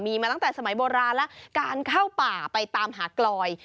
มีมาตั้งแต่สมัยโบราณและการเข้าป่าไปตามหากลอย